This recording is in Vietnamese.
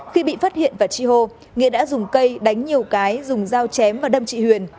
khi bị phát hiện và chi hô nghĩa đã dùng cây đánh nhiều cái dùng dao chém và đâm chị huyền